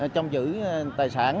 trong giữ tài sản